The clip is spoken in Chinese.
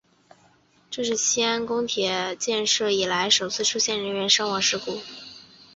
这是西安地铁开工建设以来首次出现人员伤亡的事故。